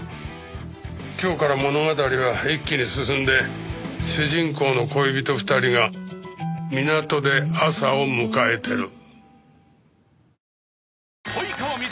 今日から物語は一気に進んで主人公の恋人２人が港で朝を迎えてる。